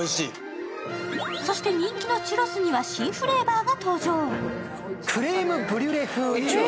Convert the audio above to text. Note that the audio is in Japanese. そして、人気のチュロスには新種のフレーバーが登場。